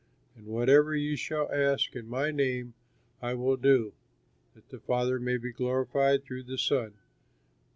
And whatever you shall ask in my name I will do, that the Father may be glorified through the Son.